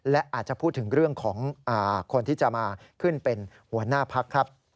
และอาจจะพูดถึงเรื่องของคนที่จะมาขึ้นเป็นหัวหน้าพักครับ